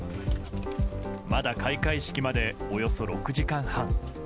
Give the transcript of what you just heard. まだ開会式までおよそ６時間半。